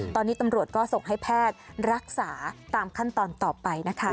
ตอนนี้ตำรวจก็ส่งให้แพทย์รักษาตามขั้นตอนต่อไปนะคะ